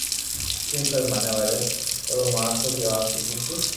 تو سر مني وري ايوُ مارتو ڪي واپسي ڇوتي